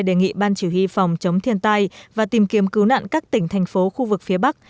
đề nghị ban chỉ huy phòng chống thiên tai và tìm kiếm cứu nạn các tỉnh thành phố khu vực phía bắc